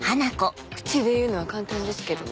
口で言うのは簡単ですけど。